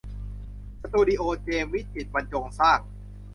สตูดิโอเจมส์วิจิตรบรรจงสร้าง